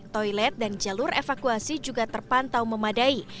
toilet dan jalur evakuasi juga terpantau memadai